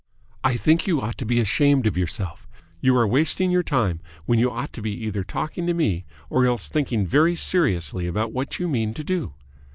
"I think you ought to be ashamed of yourself. You are wasting your time, when you ought to be either talking to me or else thinking very seriously about what you mean to do."